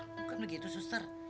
bukan begitu suster